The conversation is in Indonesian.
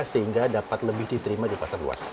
sehingga dapat lebih diterima di pasar luas